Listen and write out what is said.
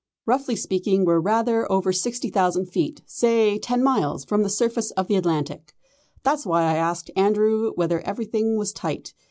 "Roughly speaking, we're rather over 60,000 feet say ten miles from the surface of the Atlantic. That's why I asked Andrew whether everything was tight.